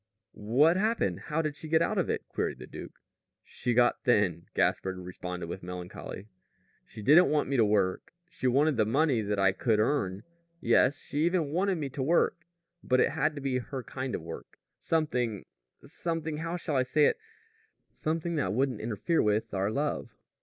"What happened? How did she get out of it?" queried the duke. "She got thin," Gaspard responded with melancholy. "She didn't want me to work. She wanted the money that I could earn. Yes. She even wanted me to work. But it had to be her kind of work; something something how shall I say it? something that wouldn't interfere with our love."